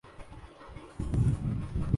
جب مل بیٹھے تو دشمن کا بھی ساتھ گوارا گزرے تھا